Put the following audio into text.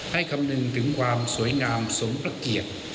ให้คำนึงถึงความสวยงามสมพระเกียจ